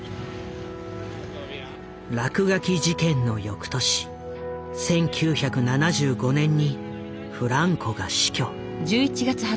落書き事件の翌年１９７５年にフランコが死去。